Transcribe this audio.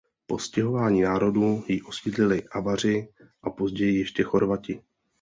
Po stěhování národů ji osídlili Avaři a později ještě Chorvati.